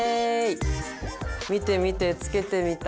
見て見てつけてみた。